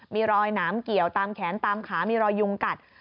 มีรอยหนามเกี่ยวตามแขนตามขามีรอยยุงกัด